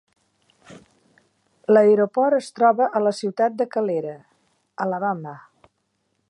L'aeroport es troba a la ciutat de Calera, Alabama.